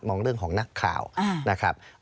เรื่องของนักข่าวนะครับ